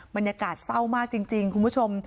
บรรยากาศเศร้ามากจริงคุณผู้ชม